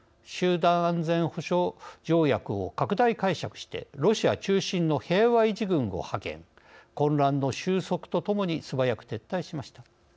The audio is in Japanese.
集団安全保障条約を拡大解釈してロシア中心の平和維持軍を派遣混乱の収束とともに素早く撤退しました。